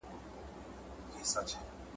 نه بیرغ نه به قانون وي نه پر نوم سره جوړیږو !.